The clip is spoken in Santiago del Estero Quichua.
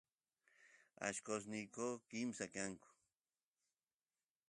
allqosniyku kimsa kanku